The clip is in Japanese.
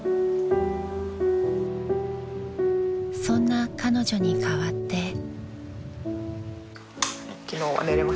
［そんな彼女に代わって］